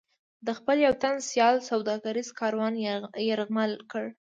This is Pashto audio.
د خپل یو تن سیال سوداګریز کاروان یرغمل کړ.